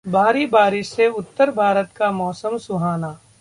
भारी बारिश से उत्तर भारत का मौसम सुहाना